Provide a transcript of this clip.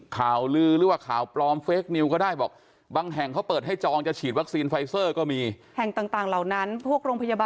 ข้อมูลที่ไม่จริงแบบนี้นะคะ